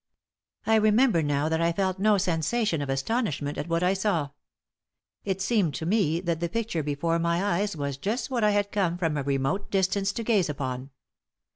I remember now that I felt no sensation of astonishment at what I saw. It seemed to me that the picture before my eyes was just what I had come from a remote distance to gaze upon.